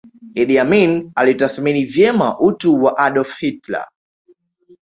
Idi Amin alitathmini vyema utu wa Adolf Hitler